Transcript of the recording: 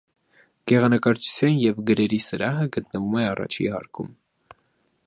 Գեղանկարչության և գրերի սրահը գտնվում է առաջին հարկում։